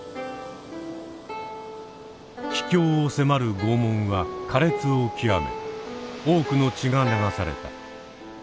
棄教を迫る拷問は苛烈を極め多くの血が流された。